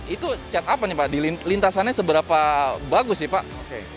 itu chat apa nih pak di lintasannya seberapa bagus sih pak